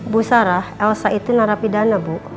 bu sarah elsa itu narapidana bu